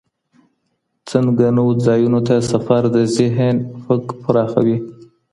څنګه نویو ځایونو ته سفر د ذهن افق پراخوي؟